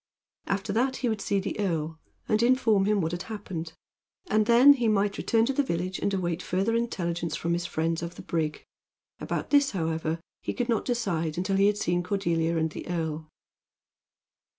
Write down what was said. After that he would see the earl, and inform him what had happened; and then he might return to the village and await further intelligence from his friends of the brig. About this, however, he could not decide until he had seen Cordelia and the earl.